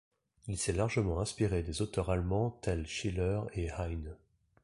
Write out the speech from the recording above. Il s'est largement inspiré des auteurs allemands tels Schiller et Heine.